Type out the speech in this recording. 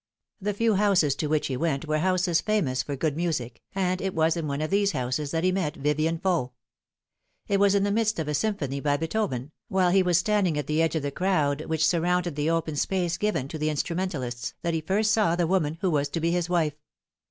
The few houses to which he went were houses famous for good music, and it was in one of these houses that he met Vivien Faux. It was in the midst of a symphony by Beethoven, while he was standing oil the edge of the crowd which surrounded the open space given to the instrumentalists, that he first saw the woman who was to be his wife.